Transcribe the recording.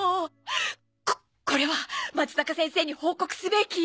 ここれはまつざか先生に報告すべき？